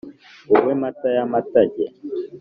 Wowe Mata y’amatage